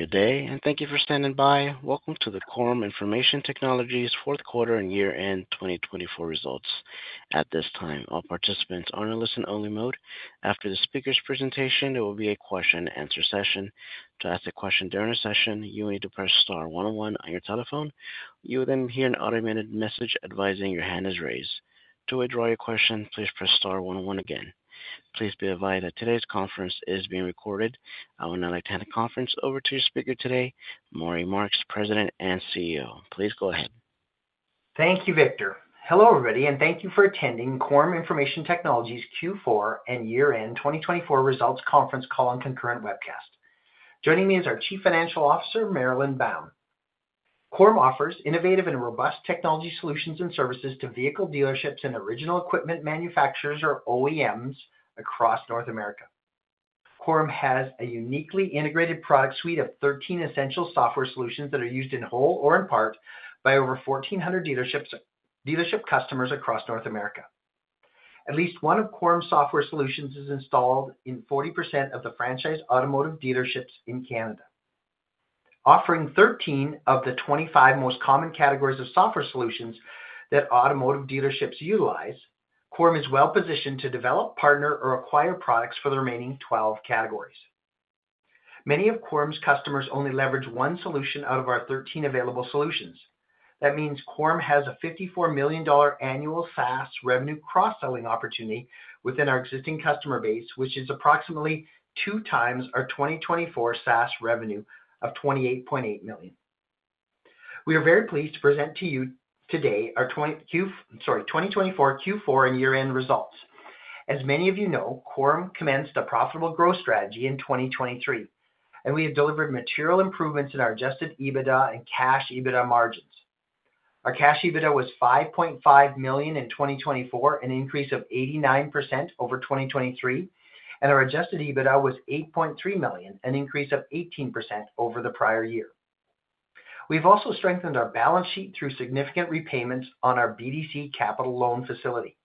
Good day, and thank you for standing by. Welcome to the Quorum Information Technologies Fourth Quarter and year-end 2024 results. At this time, all participants are in a listen-only mode. After the speaker's presentation, there will be a question-and-answer session. To ask a question during the session, you will need to press star 101 on your telephone. You will then hear an automated message advising your hand is raised. To withdraw your question, please press star 101 again. Please be advised that today's conference is being recorded. I would now like to hand the conference over to your speaker today, Maury Marks, President and CEO. Please go ahead. Thank you, Victor. Hello, everybody, and thank you for attending Quorum Information Technologies Q4 and year-end 2024 results conference call and concurrent webcast. Joining me is our Chief Financial Officer, Marilyn Bown. Quorum offers innovative and robust technology solutions and services to vehicle dealerships and original equipment manufacturers, or OEMs, across North America. Quorum has a uniquely integrated product suite of 13 essential software solutions that are used in whole or in part by over 1,400 dealership customers across North America. At least one of Quorum's software solutions is installed in 40% of the franchise automotive dealerships in Canada. Offering 13 of the 25 most common categories of software solutions that automotive dealerships utilize, Quorum is well-positioned to develop, partner, or acquire products for the remaining 12 categories. Many of Quorum's customers only leverage one solution out of our 13 available solutions. That means Quorum has a $54 million annual SaaS revenue cross-selling opportunity within our existing customer base, which is approximately two times our 2024 SaaS revenue of $28.8 million. We are very pleased to present to you today our 2024 Q4 and year-end results. As many of you know, Quorum commenced a profitable growth strategy in 2023, and we have delivered material improvements in our adjusted EBITDA and cash EBITDA margins. Our cash EBITDA was $5.5 million in 2024, an increase of 89% over 2023, and our adjusted EBITDA was $8.3 million, an increase of 18% over the prior year. We have also strengthened our balance sheet through significant repayments on our BDC capital loan facility.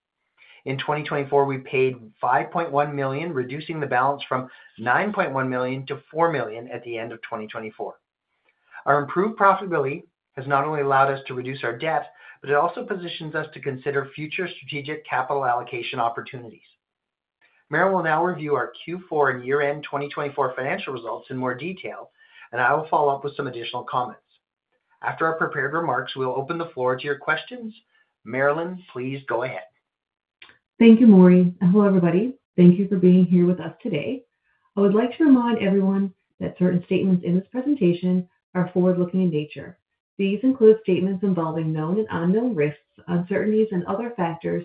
In 2024, we paid $5.1 million, reducing the balance from $9.1 million-$4 million at the end of 2024. Our improved profitability has not only allowed us to reduce our debt, but it also positions us to consider future strategic capital allocation opportunities. Marilyn will now review our Q4 and year-end 2024 financial results in more detail, and I will follow up with some additional comments. After our prepared remarks, we'll open the floor to your questions. Marilyn, please go ahead. Thank you, Maury. Hello, everybody. Thank you for being here with us today. I would like to remind everyone that certain statements in this presentation are forward-looking in nature. These include statements involving known and unknown risks, uncertainties, and other factors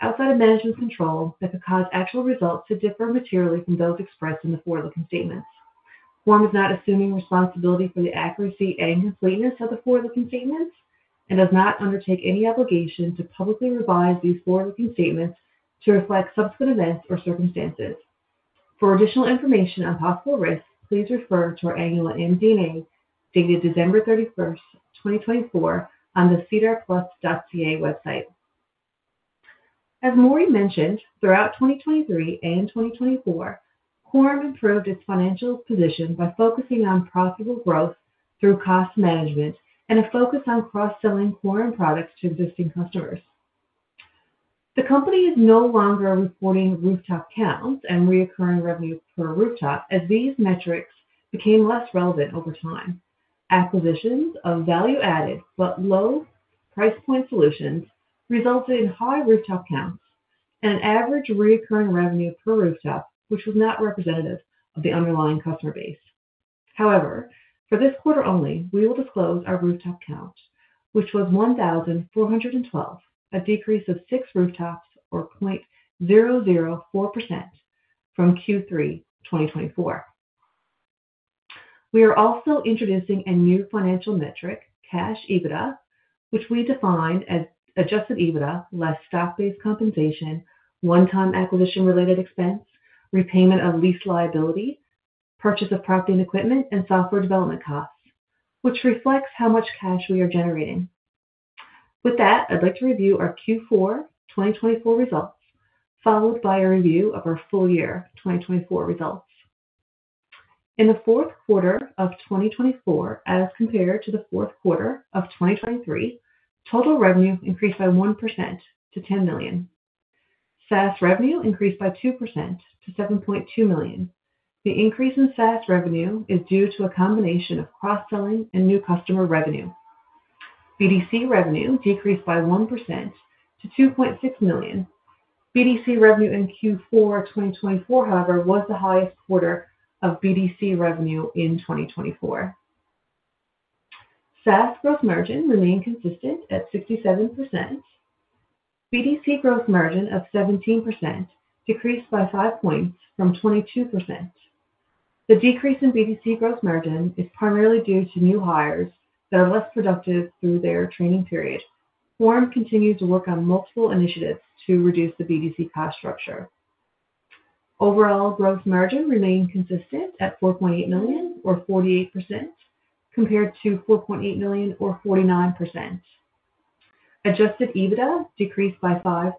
outside of management's control that could cause actual results to differ materially from those expressed in the forward-looking statements. Quorum Information Technologies is not assuming responsibility for the accuracy and completeness of the forward-looking statements and does not undertake any obligation to publicly revise these forward-looking statements to reflect subsequent events or circumstances. For additional information on possible risks, please refer to our annual MD&A dated December 31, 2024, on the cedarplus.ca website. As Maury mentioned, throughout 2023 and 2024, Quorum Information Technologies improved its financial position by focusing on profitable growth through cost management and a focus on cross-selling Quorum products to existing customers. The company is no longer reporting rooftop counts and recurring revenue per rooftop, as these metrics became less relevant over time. Acquisitions of value-added but low price point solutions resulted in high rooftop counts and an average recurring revenue per rooftop, which was not representative of the underlying customer base. However, for this quarter only, we will disclose our rooftop count, which was 1,412, a decrease of six rooftops, or 0.004%, from Q3 2024. We are also introducing a new financial metric, cash EBITDA, which we define as adjusted EBITDA less stock-based compensation, one-time acquisition-related expense, repayment of lease liability, purchase of property and equipment, and software development costs, which reflects how much cash we are generating. With that, I'd like to review our Q4 2024 results, followed by a review of our full year 2024 results. In the fourth quarter of 2024, as compared to the fourth quarter of 2023, total revenue increased by 1% to $10 million. SaaS revenue increased by 2% to $7.2 million. The increase in SaaS revenue is due to a combination of cross-selling and new customer revenue. BDC revenue decreased by 1% to $2.6 million. BDC revenue in Q4 2024, however, was the highest quarter of BDC revenue in 2024. SaaS growth margin remained consistent at 67%. BDC growth margin of 17% decreased by 5 percentage points from 22%. The decrease in BDC growth margin is primarily due to new hires that are less productive through their training period. Quorum continues to work on multiple initiatives to reduce the BDC cost structure. Overall, growth margin remained consistent at $4.8 million, or 48%, compared to $4.8 million, or 49%. Adjusted EBITDA decreased by 5%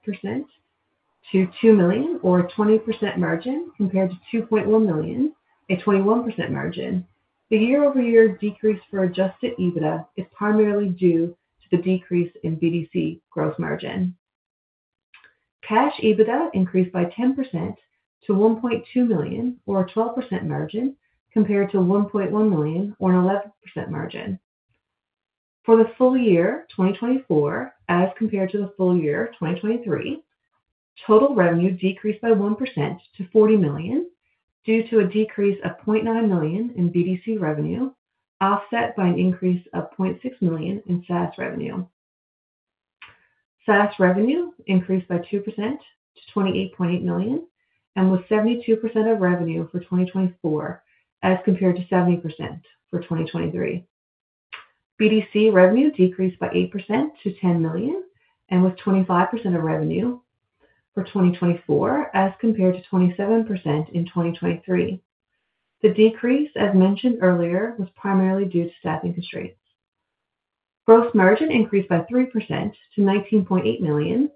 to $2 million, or a 20% margin, compared to $2.1 million, a 21% margin. The year-over-year decrease for adjusted EBITDA is primarily due to the decrease in BDC growth margin. Cash EBITDA increased by 10% to $1.2 million, or a 12% margin, compared to $1.1 million, or an 11% margin. For the full year 2024, as compared to the full year 2023, total revenue decreased by 1% to $40 million due to a decrease of $0.9 million in BDC revenue, offset by an increase of $0.6 million in SaaS revenue. SaaS revenue increased by 2% to $28.8 million and was 72% of revenue for 2024, as compared to 70% for 2023. BDC revenue decreased by 8% to $10 million and was 25% of revenue for 2024, as compared to 27% in 2023. The decrease, as mentioned earlier, was primarily due to staffing constraints. Gross margin increased by 3% to $19.8 million,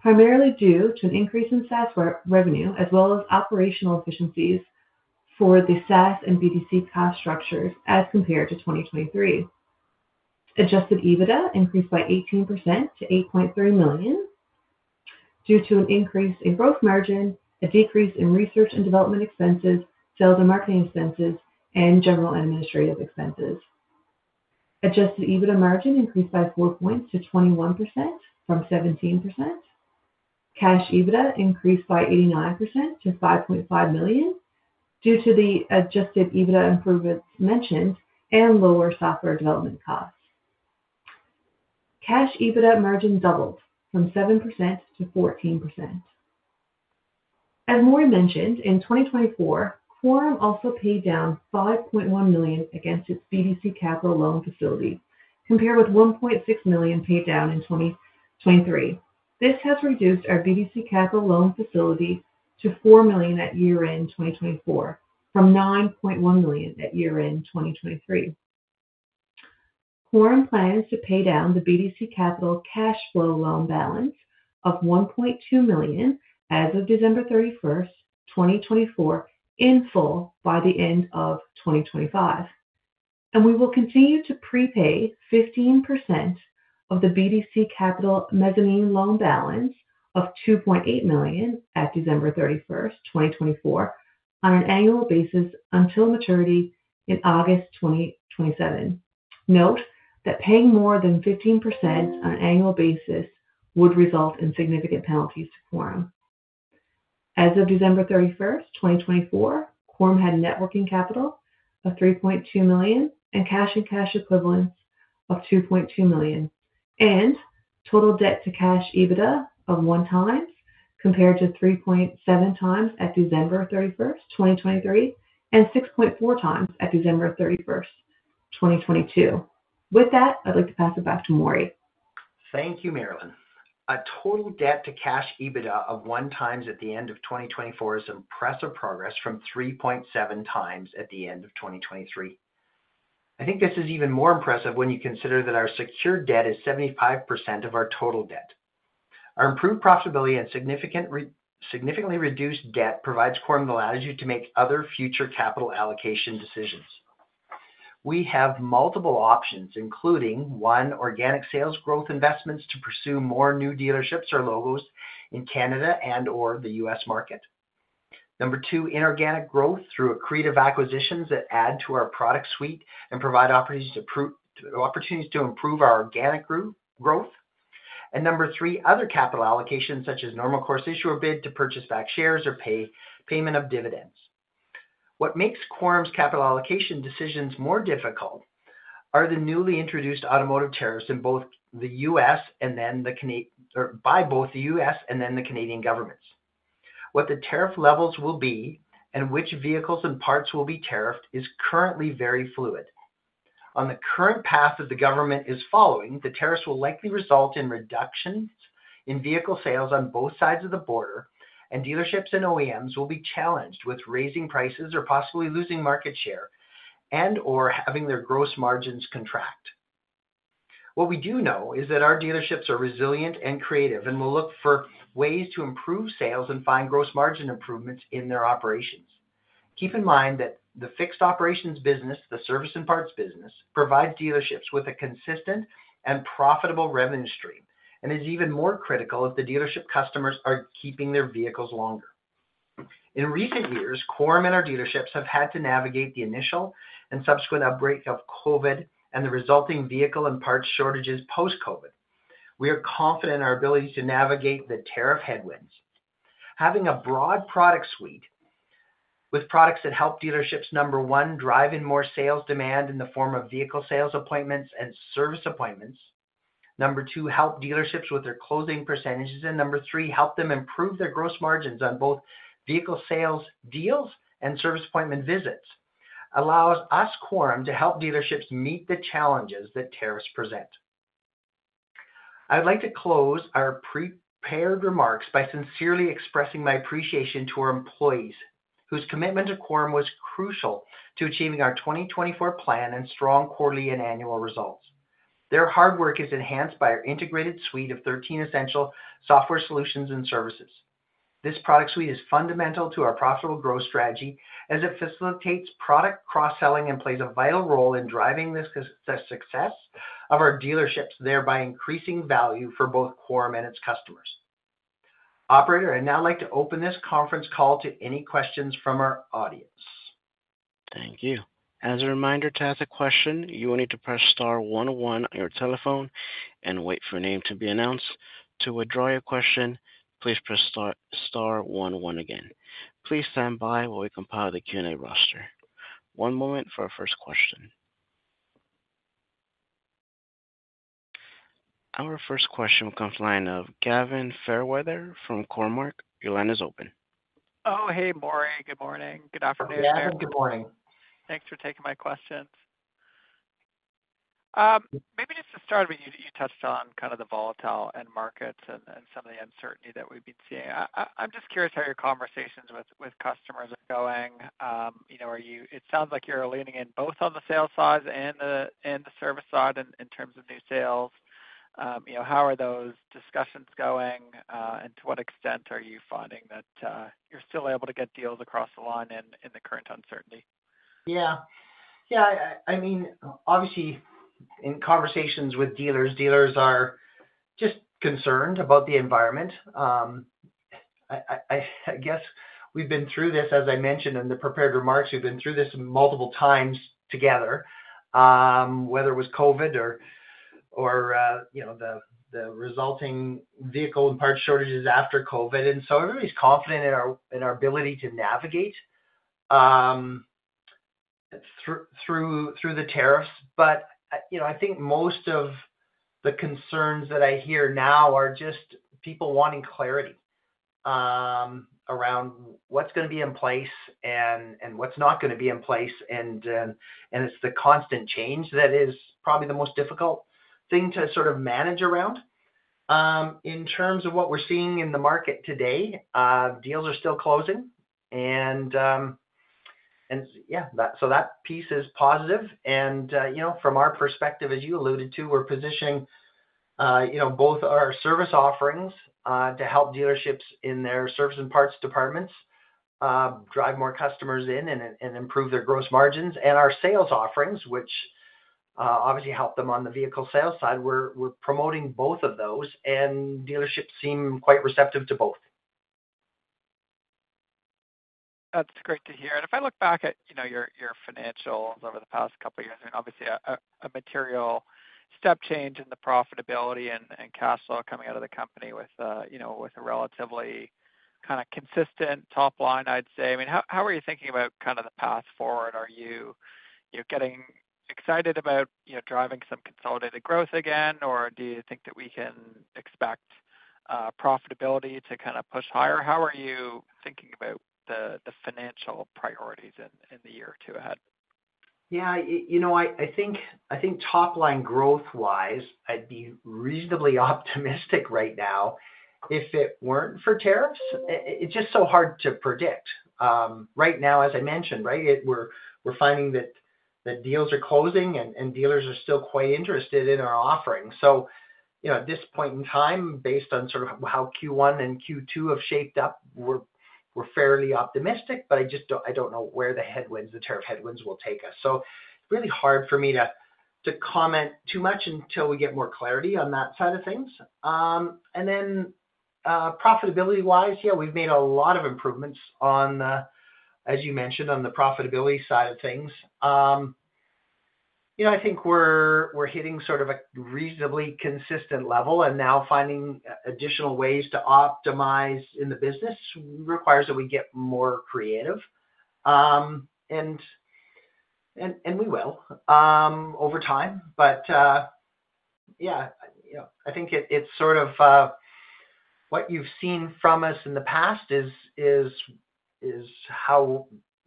primarily due to an increase in SaaS revenue, as well as operational efficiencies for the SaaS and BDC cost structures, as compared to 2023. Adjusted EBITDA increased by 18% to $8.3 million due to an increase in gross margin, a decrease in research and development expenses, sales and marketing expenses, and general administrative expenses. Adjusted EBITDA margin increased by 4 percentage points to 21% from 17%. Cash EBITDA increased by 89% to $5.5 million due to the adjusted EBITDA improvements mentioned and lower software development costs. Cash EBITDA margin doubled from 7%-14%. As Maury mentioned, in 2024, Quorum also paid down $5.1 million against its BDC capital loan facility, compared with $1.6 million paid down in 2023. This has reduced our BDC capital loan facility to $4 million at year-end 2024, from $9.1 million at year-end 2023. Quorum plans to pay down the BDC capital cash flow loan balance of $1.2 million as of December 31, 2024, in full by the end of 2025. We will continue to prepay 15% of the BDC capital mezzanine loan balance of $2.8 million at December 31, 2024, on an annual basis until maturity in August 2027. Note that paying more than 15% on an annual basis would result in significant penalties to Quorum. As of December 31, 2024, Quorum had net working capital of $3.2 million and cash and cash equivalents of $2.2 million, and total debt to cash EBITDA of one times compared to 3.7 times at December 31, 2023, and 6.4 times at December 31, 2022. With that, I'd like to pass it back to Maury. Thank you, Marilyn. A total debt to cash EBITDA of one times at the end of 2024 is impressive progress from 3.7 times at the end of 2023. I think this is even more impressive when you consider that our secured debt is 75% of our total debt. Our improved profitability and significantly reduced debt provide Quorum the latitude to make other future capital allocation decisions. We have multiple options, including: one, organic sales growth investments to pursue more new dealerships or logos in Canada and/or the U.S. market; number two, inorganic growth through accretive acquisitions that add to our product suite and provide opportunities to improve our organic growth; and number three, other capital allocations, such as normal course issuer bid to purchase back shares or payment of dividends. What makes Quorum's capital allocation decisions more difficult are the newly introduced automotive tariffs in both the U.S. and then the Canadian or by both the U.S. and then the Canadian governments. What the tariff levels will be and which vehicles and parts will be tariffed is currently very fluid. On the current path that the government is following, the tariffs will likely result in reductions in vehicle sales on both sides of the border, and dealerships and OEMs will be challenged with raising prices or possibly losing market share and/or having their gross margins contract. What we do know is that our dealerships are resilient and creative and will look for ways to improve sales and find gross margin improvements in their operations. Keep in mind that the fixed operations business, the service and parts business, provides dealerships with a consistent and profitable revenue stream and is even more critical if the dealership customers are keeping their vehicles longer. In recent years, Quorum and our dealerships have had to navigate the initial and subsequent outbreak of COVID and the resulting vehicle and parts shortages post-COVID. We are confident in our ability to navigate the tariff headwinds. Having a broad product suite with products that help dealerships, number one, drive in more sales demand in the form of vehicle sales appointments and service appointments, number two, help dealerships with their closing percentages, and number three, help them improve their gross margins on both vehicle sales deals and service appointment visits, allows us, Quorum, to help dealerships meet the challenges that tariffs present. I would like to close our prepared remarks by sincerely expressing my appreciation to our employees, whose commitment to Quorum was crucial to achieving our 2024 plan and strong quarterly and annual results. Their hard work is enhanced by our integrated suite of 13 essential software solutions and services. This product suite is fundamental to our profitable growth strategy as it facilitates product cross-selling and plays a vital role in driving the success of our dealerships, thereby increasing value for both Quorum and its customers. Operator, I'd now like to open this conference call to any questions from our audience. Thank you. As a reminder to ask a question, you will need to press star 101 on your telephone and wait for your name to be announced. To withdraw your question, please press star 101 again. Please stand by while we compile the Q&A roster. One moment for our first question. Our first question will come from the line of Gavin Fairweather from Cormark. Your line is open. Oh, hey, Maury. Good morning. Good afternoon. Hi, everyone. Good morning. Thanks for taking my questions. Maybe just to start with, you touched on kind of the volatile end markets and some of the uncertainty that we've been seeing. I'm just curious how your conversations with customers are going. It sounds like you're leaning in both on the sales side and the service side in terms of new sales. How are those discussions going, and to what extent are you finding that you're still able to get deals across the line in the current uncertainty? Yeah. Yeah. I mean, obviously, in conversations with dealers, dealers are just concerned about the environment. I guess we've been through this, as I mentioned in the prepared remarks, we've been through this multiple times together, whether it was COVID or the resulting vehicle and parts shortages after COVID. Everybody's confident in our ability to navigate through the tariffs. I think most of the concerns that I hear now are just people wanting clarity around what's going to be in place and what's not going to be in place. It's the constant change that is probably the most difficult thing to sort of manage around. In terms of what we're seeing in the market today, deals are still closing. Yeah, so that piece is positive. From our perspective, as you alluded to, we're positioning both our service offerings to help dealerships in their service and parts departments drive more customers in and improve their gross margins. Our sales offerings, which obviously help them on the vehicle sales side, we're promoting both of those, and dealerships seem quite receptive to both. That's great to hear. If I look back at your financials over the past couple of years, I mean, obviously, a material step change in the profitability and cash flow coming out of the company with a relatively kind of consistent top line, I'd say. I mean, how are you thinking about kind of the path forward? Are you getting excited about driving some consolidated growth again, or do you think that we can expect profitability to kind of push higher? How are you thinking about the financial priorities in the year or two ahead? Yeah. You know, I think top line growth-wise, I'd be reasonably optimistic right now if it weren't for tariffs. It's just so hard to predict. Right now, as I mentioned, right, we're finding that deals are closing and dealers are still quite interested in our offering. At this point in time, based on sort of how Q1 and Q2 have shaped up, we're fairly optimistic, but I don't know where the tariff headwinds will take us. It's really hard for me to comment too much until we get more clarity on that side of things. Profitability-wise, yeah, we've made a lot of improvements, as you mentioned, on the profitability side of things. I think we're hitting sort of a reasonably consistent level and now finding additional ways to optimize in the business requires that we get more creative. We will over time. I think it's sort of what you've seen from us in the past is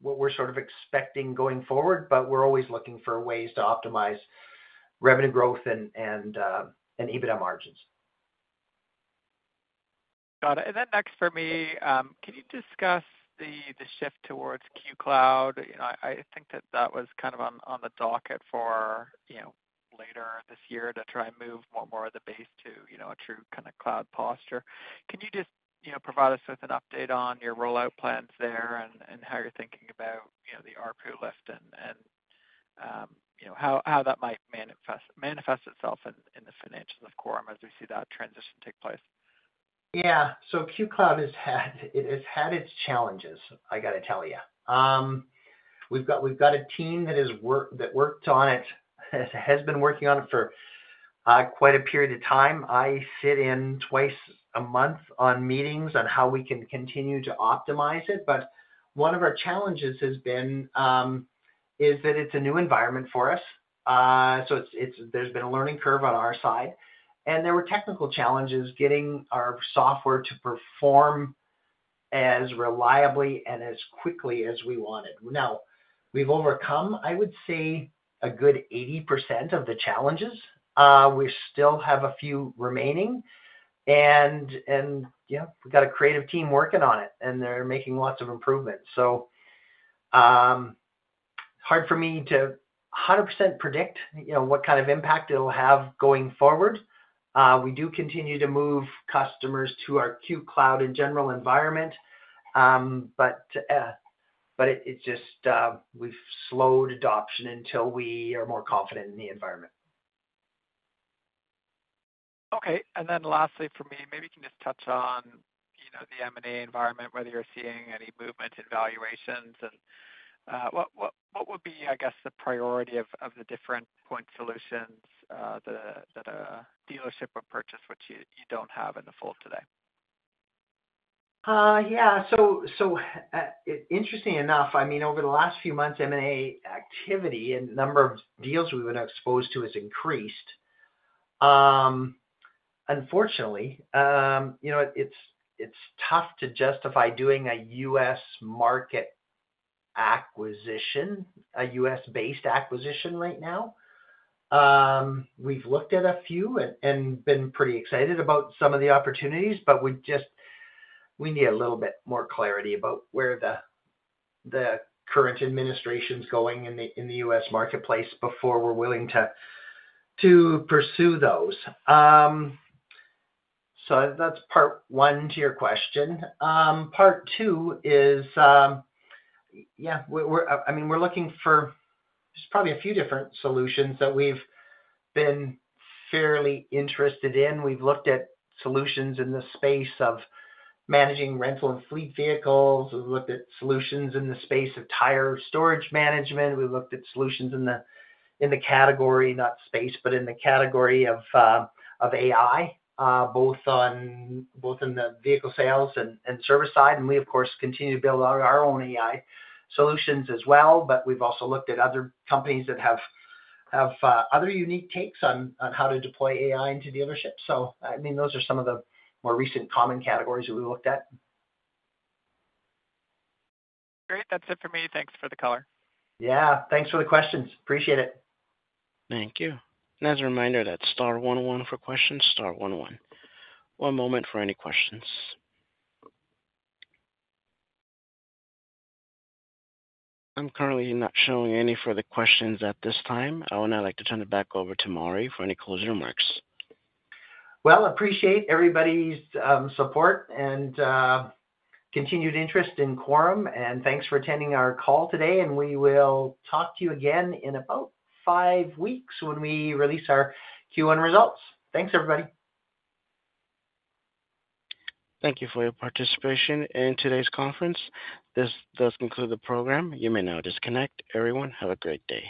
what we're sort of expecting going forward, but we're always looking for ways to optimize revenue growth and EBITDA margins. Got it. Next for me, can you discuss the shift towards QCloud? I think that that was kind of on the docket for later this year to try and move more and more of the base to a true kind of cloud posture. Can you just provide us with an update on your rollout plans there and how you're thinking about the ARPU lift and how that might manifest itself in the financials of Quorum as we see that transition take place? Yeah. QCloud has had its challenges, I got to tell you. We've got a team that worked on it, has been working on it for quite a period of time. I sit in twice a month on meetings on how we can continue to optimize it. One of our challenges has been that it's a new environment for us. There has been a learning curve on our side. There were technical challenges getting our software to perform as reliably and as quickly as we wanted. Now, we've overcome, I would say, a good 80% of the challenges. We still have a few remaining. Yeah, we've got a creative team working on it, and they're making lots of improvements. It is hard for me to 100% predict what kind of impact it'll have going forward. We do continue to move customers to our QCloud in general environment, but it's just we've slowed adoption until we are more confident in the environment. Okay. Lastly for me, maybe you can just touch on the M&A environment, whether you're seeing any movement in valuations. What would be, I guess, the priority of the different point solutions that a dealership would purchase, which you don't have in the fold today? Yeah. Interesting enough, I mean, over the last few months, M&A activity and number of deals we've been exposed to has increased. Unfortunately, it's tough to justify doing a U.S. market acquisition, a U.S.-based acquisition right now. We've looked at a few and been pretty excited about some of the opportunities, but we need a little bit more clarity about where the current administration's going in the U.S. marketplace before we're willing to pursue those. That's part one to your question. Part two is, yeah, I mean, we're looking for just probably a few different solutions that we've been fairly interested in. We've looked at solutions in the space of managing rental and fleet vehicles. We've looked at solutions in the space of tire storage management. We've looked at solutions in the category, not space, but in the category of AI, both in the vehicle sales and service side. I mean, we, of course, continue to build our own AI solutions as well. We've also looked at other companies that have other unique takes on how to deploy AI into dealerships. I mean, those are some of the more recent common categories that we looked at. Great. That's it for me. Thanks for the color. Yeah. Thanks for the questions. Appreciate it. Thank you. As a reminder, that's star 101 for questions, star 101. One moment for any questions. I'm currently not showing any further questions at this time. I would now like to turn it back over to Maury for any closing remarks. Appreciate everybody's support and continued interest in Quorum. Thanks for attending our call today. We will talk to you again in about five weeks when we release our Q1 results. Thanks, everybody. Thank you for your participation in today's conference. This does conclude the program. You may now disconnect. Everyone, have a great day.